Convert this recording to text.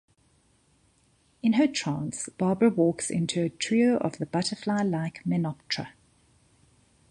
In her trance, Barbara walks into a trio of the butterfly-like Menoptra.